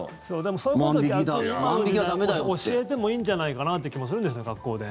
そういうことを逆に今の時代教えてもいいんじゃないかなって気もするんですよ、学校で。